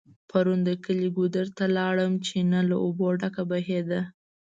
پرون د کلي ګودر ته لاړم .چينه له اوبو ډکه بهيده